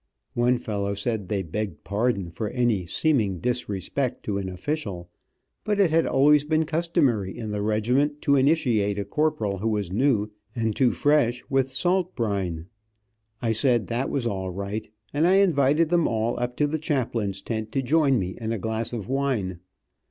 One fellow said they begged pardon for any seeming disrespect to an official; but it had always been customary in the regiment to initiate a corporal who was new and too fresh with salt brine. I said that was all right, and I invited them all up to the chaplain's tent to join me in a glass of wine.